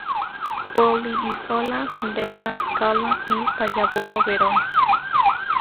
Volley Isola della Scala y el Pallavolo Verona.